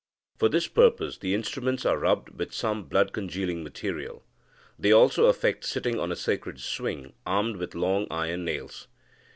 For this purpose, the instruments are rubbed over with some blood congealing material. They also affect sitting on a sacred swing, armed with long iron nails.